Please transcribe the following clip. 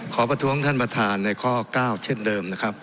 ประท้วงท่านประธานในข้อ๙เช่นเดิมนะครับ